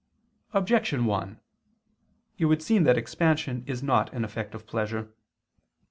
Objection 1: It would seem that expansion is not an effect of pleasure.